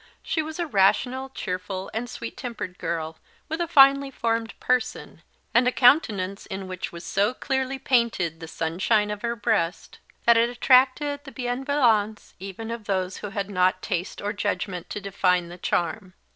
She was a rational, cheerful, and sweet tempered girl, with a finely formed person, and a countenance in which was so clearly painted the sunshine of her breast, that it attracted the bienveillance even of those who had not taste or judgment to define the charm.